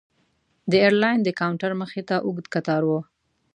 د ایرلاین د کاونټر مخې ته اوږد کتار و.